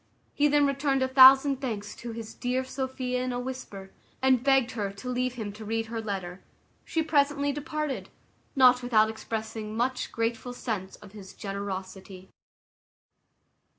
He then returned a thousand thanks to his dear Sophia in a whisper, and begged her to leave him to read her letter: she presently departed, not without expressing much grateful sense of his generosity.